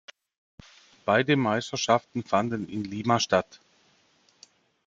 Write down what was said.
Beide Meisterschaften fanden in Lima statt.